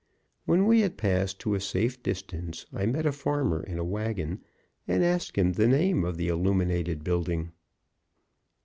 When we had passed to a safe distance, I met a farmer in a wagon, and asked him the name of the illuminated building.